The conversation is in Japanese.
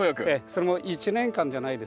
それも１年間じゃないですよ。